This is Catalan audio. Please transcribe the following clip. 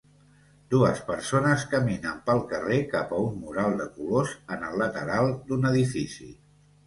Dues persones caminen pel carrer cap a un mural de colors en el lateral d'un edifici.